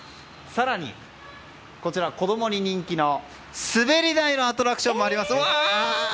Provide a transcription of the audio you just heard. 更に、子供に人気の滑り台のアトラクションもあります。